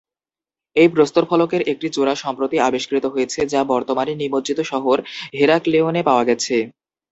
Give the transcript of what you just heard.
এই প্রস্তরফলকের একটি জোড়া সম্প্রতি আবিষ্কৃত হয়েছে, যা বর্তমানে নিমজ্জিত শহর হেরাক্লেওনে পাওয়া গেছে।